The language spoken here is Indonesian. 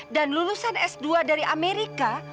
dan lulusan s dua dari amerika